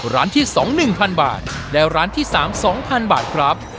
ร้านที่สองหนึ่งพันบาทและร้านที่สามสองพันบาทครับ